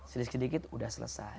sedikit sedikit sudah selesai